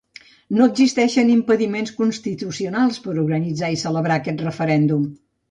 No existeixen impediments constitucionals per organitzar i celebrar aquest referèndum